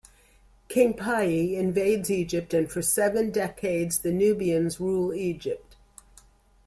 King Piye invades Egypt and for seven decades the Nubians rule Egypt.